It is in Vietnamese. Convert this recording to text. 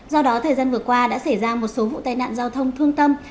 do đó thời gian vừa qua đã xảy ra một số vụ tai nạn giao thông thương tâm